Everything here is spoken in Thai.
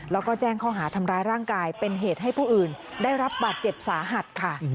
แล้วก็แจ้งข้อหาทำร้ายร่างกายเป็นเหตุให้ผู้อื่นได้รับบาดเจ็บสาหัสค่ะ